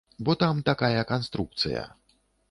Бо там такая канструкцыя.